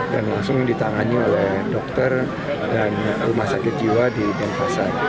dan langsung ditangani oleh dokter dan rumah sakit jiwa di bnpasa